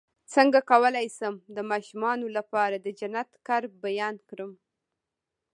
څنګه کولی شم د ماشومانو لپاره د جنت د قرب بیان کړم